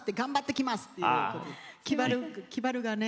きばるがね。